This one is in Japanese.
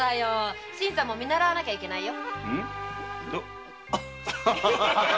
新さんも見習わなくちゃいけないよ。